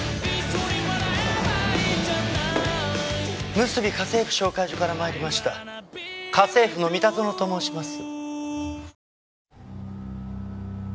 むすび家政婦紹介所から参りました家政夫の三田園と申します。